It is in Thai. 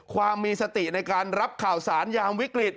ความมีสติในการรับข่าวสารยามวิกฤต